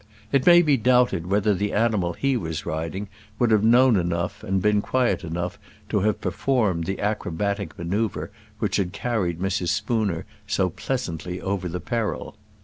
It may be doubted whether the animal he was riding would have known enough and been quiet enough to have performed the acrobatic manoeuvre which had carried Mrs. Spooner so pleasantly over the peril.